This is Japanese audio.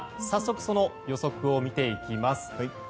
早速、その予測を見ていきます。